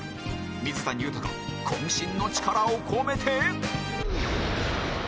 水谷豊渾身の力を込めて